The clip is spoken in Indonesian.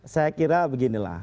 saya kira beginilah